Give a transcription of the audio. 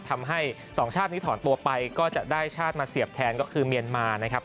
ทำให้สองชาตินี้ถอนตัวไปก็จะได้ชาติมาเสียบแทนก็คือเมียนมานะครับ